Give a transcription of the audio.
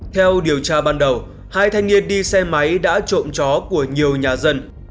theo điều tra ban đầu hai thanh niên đi xe máy đã trộm chó của nhiều nhà dân